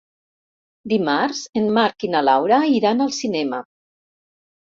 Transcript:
Dimarts en Marc i na Laura iran al cinema.